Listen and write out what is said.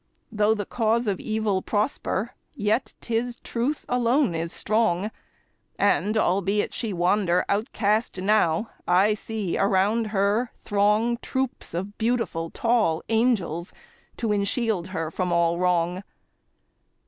Though the cause of Evil prosper, yet 'tis Truth alone is strong, And, albeit she wander outcast now, I see around her throng Troops of beautiful, tall angels, to enshield her from all wrong.